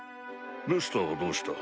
ベスターはどうした？